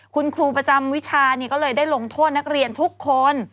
คุณครูประจำวิชาก็เลยได้ลงโทษนักเรียนทุกคน